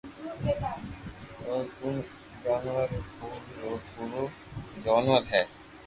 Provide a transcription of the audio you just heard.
تو تو جونور ھي پرو رو پورو جونور ھي